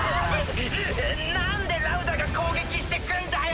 なんでラウダが攻撃してくんだよ